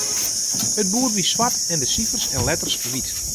It boerd wie swart en de sifers en letters wyt.